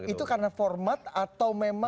itu karena format atau memang